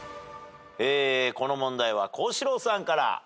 この問題は幸四郎さんから。